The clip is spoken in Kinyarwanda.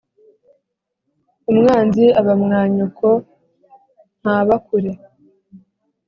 Umwan zi aba mwa nyoko ntaba kure.